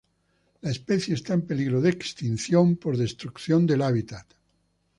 La especie está en peligro de extinción por destrucción de hábitat.